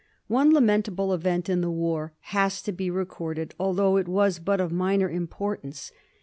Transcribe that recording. One lamentable event in the war has to be record ed, although it was but of minor importance.